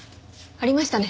ありましたね。